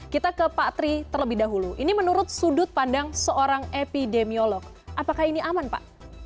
kita ke pak tri terlebih dahulu ini menurut sudut pandang seorang epidemiolog apakah ini aman pak